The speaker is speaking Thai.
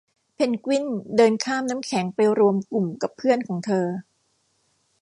เพนกวินเดินข้ามน้ำแข็งไปรวมกลุ่มกับเพื่อนของเธอ